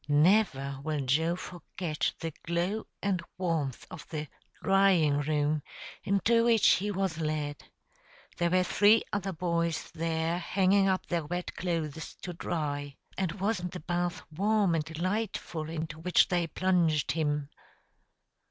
Never will Joe forget the glow and warmth of the "drying room" into which he was led. There were three other boys there hanging up their wet clothes to dry. And wasn't the bath warm and delightful into which they plunged him!